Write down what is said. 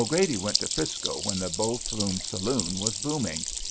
'Grady went to 'Frisco when the Bow Flume saloon was booming.